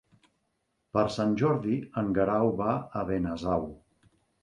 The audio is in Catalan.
Per Sant Jordi en Guerau va a Benasau.